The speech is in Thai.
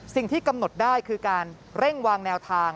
สิ่งที่กำหนดได้คือการเร่งวางแนวทาง